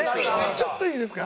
ちょっといいですか？